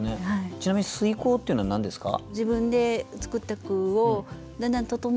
ちなみに推敲っていうのは何ですか？